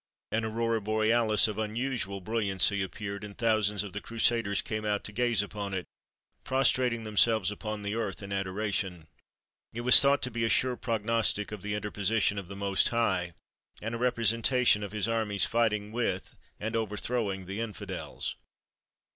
An aurora borealis of unusual brilliancy appeared, and thousands of the Crusaders came out to gaze upon it, prostrating themselves upon the earth in adoration. It was thought to be a sure prognostic of the interposition of the Most High; and a representation of his armies fighting with and overthrowing the infidels.